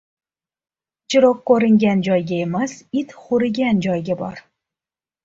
• Chiroq ko‘ringan joyga emas, it hurigan joyga bor.